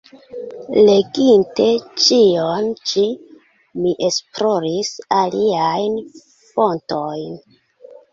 Leginte ĉion ĉi, mi esploris aliajn fontojn.